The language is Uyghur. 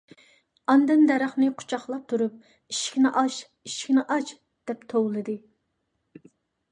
ئاندىن دەرەخنى قۇچاقلاپ تۇرۇپ: «ئىشىكنى ئاچ ! ئىشىكنى ئاچ !» دەپ توۋلىدى.